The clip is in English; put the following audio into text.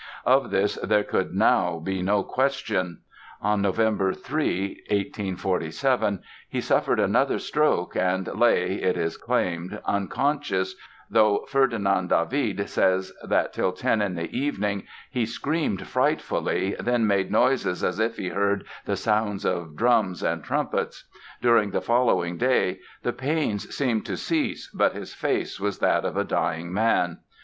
Of this there could now be no question. On Nov. 3, 1847 he suffered another stroke and lay, it is claimed, unconscious, though Ferdinand David says that, till ten in the evening, "he screamed frightfully, then made noises as if he heard the sounds of drums and trumpets.... During the following day the pains seemed to cease, but his face was that of a dying man".